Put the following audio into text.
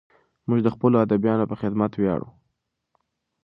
موږ د خپلو ادیبانو په خدمت ویاړو.